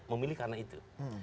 memilih karena itu